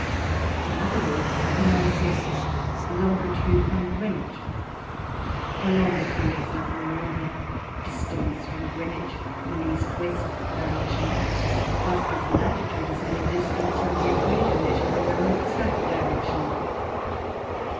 In other words, he knows his "longitude from Greenwich," for longitude is nothing more than distance from Greenwich in an east and west direction, just as latitude is only distance from the equator measured in a north and south direction.